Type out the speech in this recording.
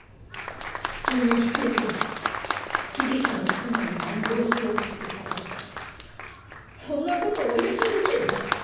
現役刑事が被疑者の妻を乱暴しようとして殺されたそんなこと公にできる？